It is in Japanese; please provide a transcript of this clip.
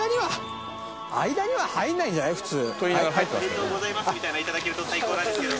「おめでとうございます」みたいなの頂けると最高なんですけど。